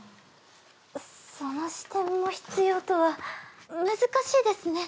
その視点も必要とは難しいですね